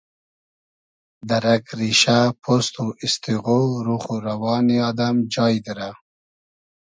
دۂ رئگ ریشۂ پوست و ایسیغۉ روخ و روانی آدئم جای دیرۂ